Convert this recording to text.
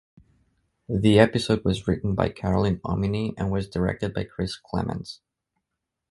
The episode was written by Carolyn Omine and was directed by Chris Clements.